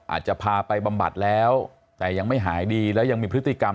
อาจจะพาไปบำบัดแล้วแต่ยังไม่หายดีแล้วยังมีพฤติกรรม